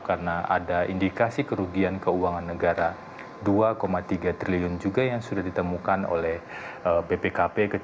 karena ada indikasi kerugian keuangan negara dua tiga triliun juga yang sudah ditemukan oleh bpkp